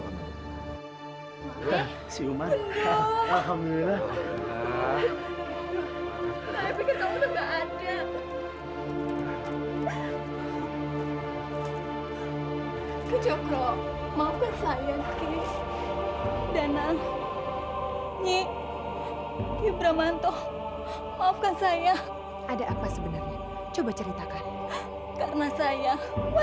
sampai jumpa di video selanjutnya